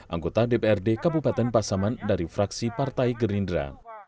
anggota dprd kabupaten pasaman dari fraksi partai gerindra